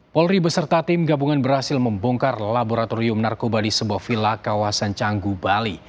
polri beserta tim gabungan berhasil membongkar laboratorium narkoba di sebuah vila kawasan canggu bali